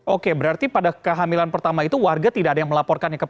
oke berarti pada kehamilan pertama itu warga tidak ada yang melakukan hal tersebut